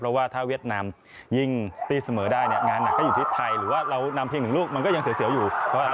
เพราะว่าถ้าเวียดนามยิ่งตีเสมอได้เนี่ยงานหนักก็อยู่ที่ไทยหรือว่าเรานำเพียงหนึ่งลูกมันก็ยังเสียวอยู่